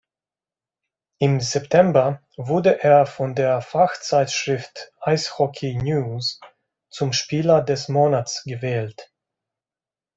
Im September wurde er von der Fachzeitschrift Eishockey News zum Spieler des Monats gewählt.